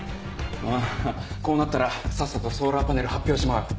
こうなったらさっさとソーラーパネル発表しちまおう。